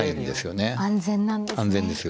安全なんですね。